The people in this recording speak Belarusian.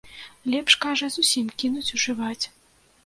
Лепш, кажа, зусім кінуць ужываць.